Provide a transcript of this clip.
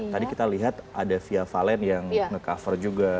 tadi kita lihat ada fia fallen yang ngecover juga